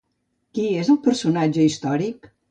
Qui és el personatge històric?